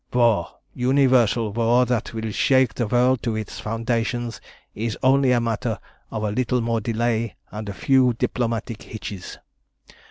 "War universal war that will shake the world to its foundations is only a matter of a little more delay and a few diplomatic hitches.